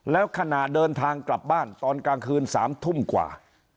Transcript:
แล้วขณะเดินทางกลับบ้านตอนกลางคืน๓ทุ่มกว่า